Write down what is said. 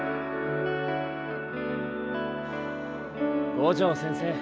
五条先生。